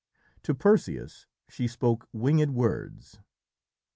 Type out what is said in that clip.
To Perseus she spoke winged words.